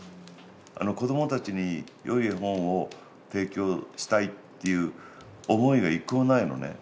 子供たちによい絵本を提供したいっていう思いが一個もないのね。